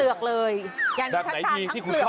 ทั้งเปลือกเลยแบบไหนที่คุณชอบทาน